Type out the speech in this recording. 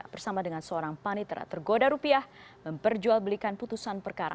bersama dengan seorang panitera tergoda rupiah memperjualbelikan putusan perkara